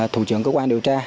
thủ trưởng cơ quan điều tra